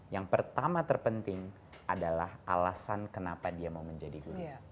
yang pertama terpenting adalah alasan kenapa dia mau menjadi guru